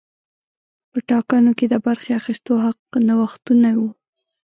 په ټاکنو کې د برخې اخیستو حق نوښتونه وو.